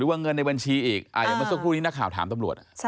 ว่าเงินในบัญชีอีกอย่างเมื่อสักครู่นี้นักข่าวถามตำรวจ